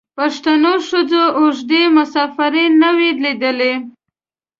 پښتنو ښځو اوږدې مسافرۍ نه وې لیدلي.